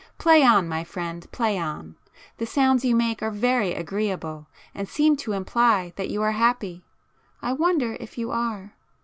Play on, my friend, play on!—the sounds you make are very agreeable, and seem to imply that you are happy. I wonder if you are?